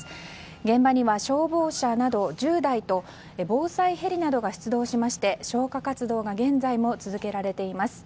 現場には消防車など１０台と防災ヘリなどが出動しまして消火活動が現在も続けられています。